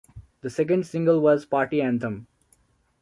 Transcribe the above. The second single was "Party Anthem".